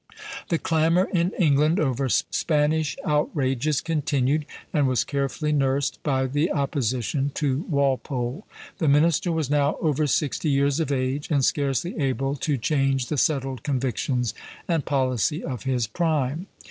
The clamor in England over Spanish outrages continued, and was carefully nursed by the opposition to Walpole. The minister was now over sixty years of age, and scarcely able to change the settled convictions and policy of his prime.